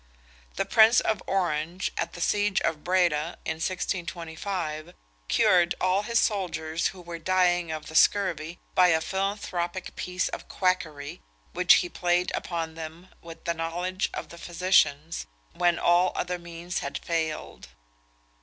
The Prince of Orange, at the siege of Breda, in 1625, cured all his soldiers, who were dying of the scurvy, by a philanthropic piece of quackery, which he played upon them with the knowledge of the physicians, when all other means had failed.